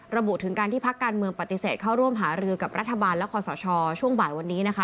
ระบุถึงการที่พักการเมืองปฏิเสธเข้าร่วมหารือกับรัฐบาลและคอสชช่วงบ่ายวันนี้นะคะ